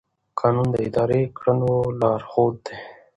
قانون د ادارې د کړنو لارښود دی.